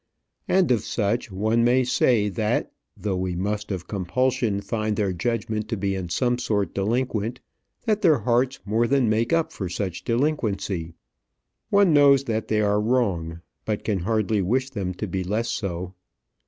And of such one may say, that though we must of compulsion find their judgment to be in some sort delinquent, that their hearts more than make up for such delinquency. One knows that they are wrong, but can hardly wish them to be less so.